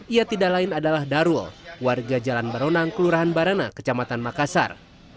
ia tidak lain adalah darul warga jalan baronang kelurahan baranang kecamatan makassar